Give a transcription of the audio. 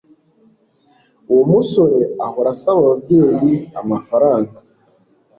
uwo musore ahora asaba ababyeyi amafaranga